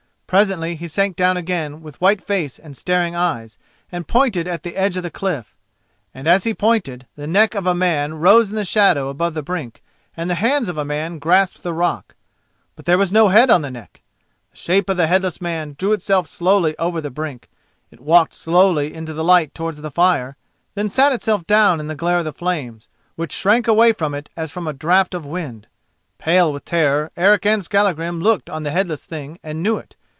Presently he sank down again with white face and staring eyes, and pointed at the edge of the cliff. And as he pointed, the neck of a man rose in the shadow above the brink, and the hands of a man grasped the rock. But there was no head on the neck. The shape of the headless man drew itself slowly over the brink, it walked slowly into the light towards the fire, then sat itself down in the glare of the flames, which shrank away from it as from a draught of wind. Pale with terror, Eric and Skallagrim looked on the headless thing and knew it.